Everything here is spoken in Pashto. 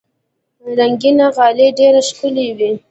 رنګینه غالۍ ډېر ښکلي وي.